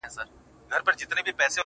تور یم، موړ یمه د ژوند له خرمستیو~